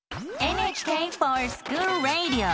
「ＮＨＫｆｏｒＳｃｈｏｏｌＲａｄｉｏ」！